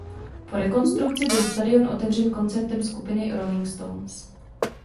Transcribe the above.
Po rekonstrukci byl stadion otevřen koncertem skupiny Rolling Stones.